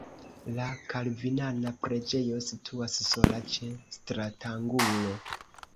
La kalvinana preĝejo situas sola ĉe stratangulo.